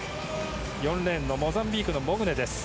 ４レーンのモザンビークのモグネです。